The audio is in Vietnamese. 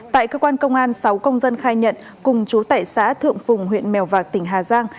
tại cơ quan công an sáu công dân khai nhận cùng chú tại xã thượng phùng huyện mèo vạc tỉnh hà giang